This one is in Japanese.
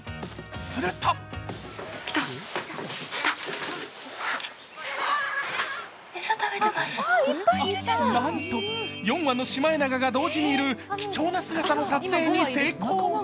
するとなんと４羽のシマエナガが同時にいる、貴重な姿の撮影に成功。